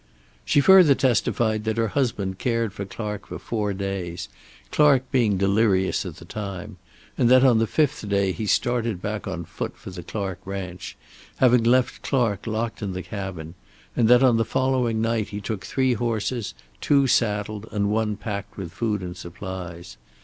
She further testified that her husband cared for Clark for four days, Clark being delirious at the time, and that on the fifth day he started back on foot for the Clark ranch, having left Clark locked in the cabin, and that on the following night he took three horses, two saddled, and one packed with food and supplies.